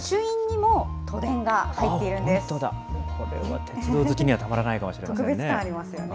本当だ、これは鉄道好きにはたまらないかもしれないですね。